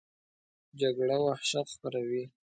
جګړه وحشت خپروي